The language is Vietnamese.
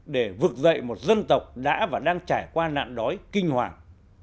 để vực dậy một dân tộc đã và đang trải qua nạn đói kinh hoàng